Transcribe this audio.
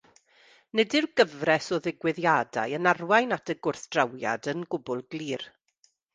Nid yw'r gyfres o ddigwyddiadau yn arwain at y gwrthdrawiad yn gwbl glir.